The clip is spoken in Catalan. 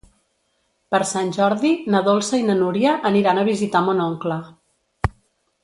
Per Sant Jordi na Dolça i na Núria aniran a visitar mon oncle.